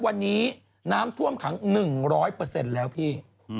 วันนี้น้ำท่วมขัง๑๐๐แล้วพี่